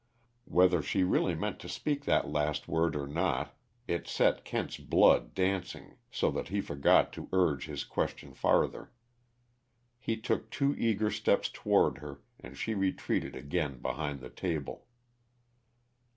Whether she really meant to speak that last word or not, it set Kent's blood dancing so that he forgot to urge his question farther. He took two eager steps toward her, and she retreated again behind the table.